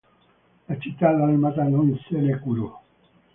La città dalmata non se ne curò.